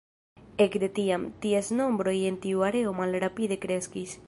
Ekde tiam, ties nombroj en tiu areo malrapide kreskis.